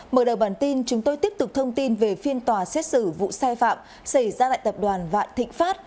mở đầu bản tin chúng tôi tiếp tục thông tin về phiên tòa xét xử vụ sai phạm xảy ra tại tập đoàn vạn thịnh pháp